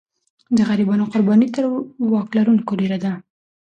د غریبانو قرباني تر واک لرونکو ډېره ده.